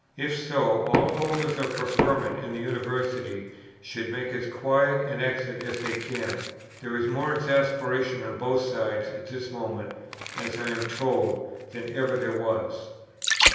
If so, all holders of preferment in the University should make as quiet an exit as they can. There is more exasperation on both sides at this moment, as I am told, than ever there was." 4.